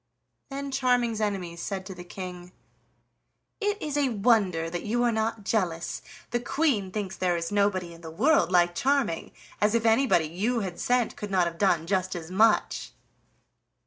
Then Charming's enemies said to the King: "It is a wonder that you are not jealous, the Queen thinks there is nobody in the world like Charming. As if anybody you had sent could not have done just as much!"